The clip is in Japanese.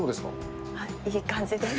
いい感じです。